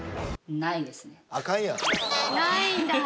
ないんだ。